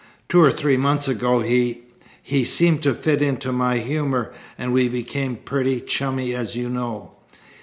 Two or three months ago he he seemed to fit into my humour, and we became pretty chummy as you know.